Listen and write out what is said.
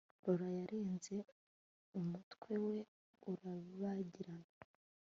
Laura yareze umutwe we urabagirana